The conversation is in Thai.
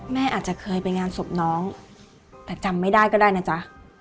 แม่อาจจะเคยไปงานศพน้องแต่จำไม่ได้ก็ได้นะจ๊ะ